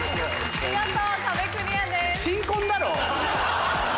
見事壁クリアです。